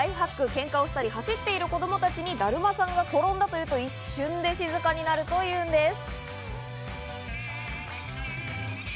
けんかをしたり走ってる子供たちにだるまさんがころんだと言うと一瞬で静かになるというんです。